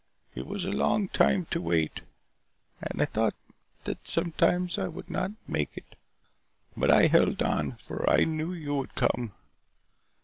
"It was a long time to wait. And I thought sometimes that I would not make it. But I held on, for I knew you would come.